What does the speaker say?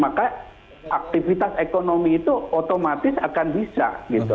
maka aktivitas ekonomi itu otomatis akan bisa gitu